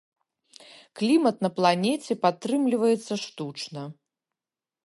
Клімат на планеце падтрымліваецца штучна.